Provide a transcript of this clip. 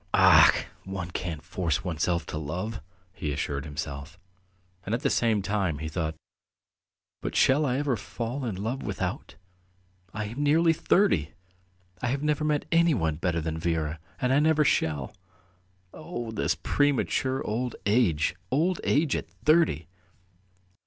"Ach! one can't force oneself to love," he assured himself, and at the same time he thought, "But shall I ever fall in love without? I am nearly thirty! I have never met anyone better than Vera and I never shall. ... Oh, this premature old age! Old age at thirty!"